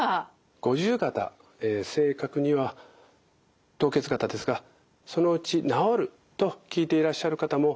五十肩正確には凍結肩ですがそのうち治ると聞いていらっしゃる方も多いと思います。